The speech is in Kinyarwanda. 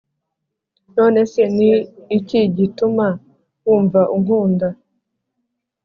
none se ni iki gituma wumva unkunda,